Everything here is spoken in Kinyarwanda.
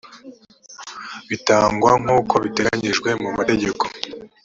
bitangwa nk’ uko biteganyijwe mu mategeko